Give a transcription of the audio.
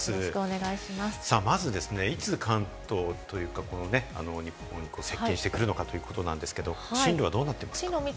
まず、いつ、関東というか、日本に接近してくるのかということなんですけれども進路はどうなってますか？